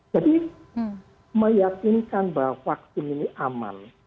jadi meyakinkan bahwa vaksin ini aman